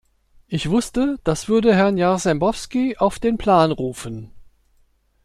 Ich wusste, das würde Herrn Jarzembowski auf den Plan rufen.